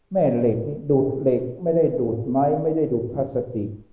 เหล็งดูดเหล็กไม่ได้ดูดไม้ไม่ได้ดูดพลาสติก